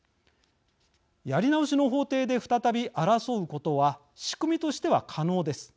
やり直しの法廷で再び争うことは仕組みとしては可能です。